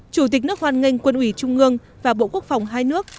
chủ tịch nước hoan nghênh quân ủy trung ương và bộ quốc phòng hai nước